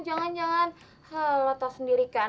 jangan jangan lo tau sendiri kan